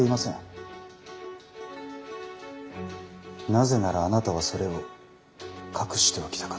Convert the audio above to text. なぜならあなたはそれを隠しておきたかった。